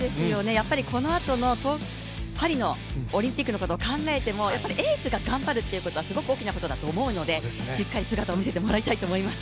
やっぱり、このあとのパリのオリンピックのことを考えてもやっぱりエースが頑張るということはすごく大きなことだと思うのでしっかり姿を見せてもらいたいと思います。